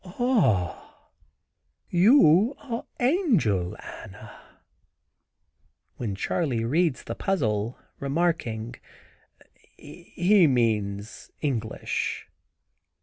"Ah, you are angel, Anna!" when Charley reads the puzzle, remarking, "He means 'English.